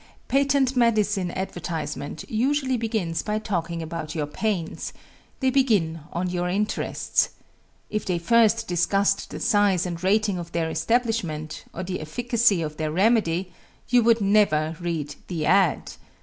Patent medicine advertisement usually begins by talking about your pains they begin on your interests. If they first discussed the size and rating of their establishment, or the efficacy of their remedy, you would never read the "ad."